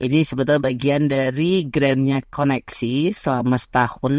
ini sebetulnya bagian dari grandnya koneksi selama setahun